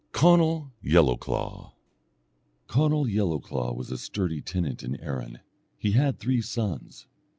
Conall Yellowclaw Conall Yellowclaw was a sturdy tenant in Erin: he had three sons.